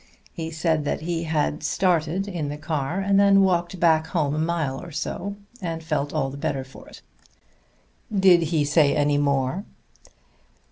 He said that he had started in the car, and then walked back home a mile or so, and felt all the better for it." "Did he say any more?"